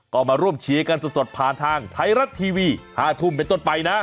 ก็มาร่วมเชียร์กันสดผ่านทางไทยรัฐทีวี๕ทุ่มเป็นต้นไปนะ